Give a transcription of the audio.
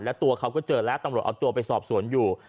แล้วตัวเขาก็เจอแล้วตำรวจเอาตัวไปสอบสวนอยู่